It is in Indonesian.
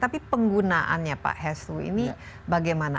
tapi penggunaannya pak heslu ini bagaimana